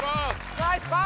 ナイスパワー！